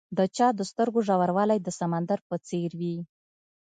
د چا د سترګو ژوروالی د سمندر په څېر وي.